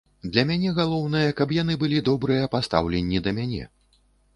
Для мяне галоўнае, каб яны былі добрыя па стаўленні да мяне.